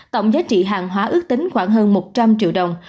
tổng giá trị hàng hóa ước tính khoảng hơn một trăm linh triệu đồng